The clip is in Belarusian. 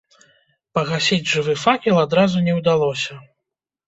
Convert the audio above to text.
Пагасіць жывы факел адразу не ўдалося.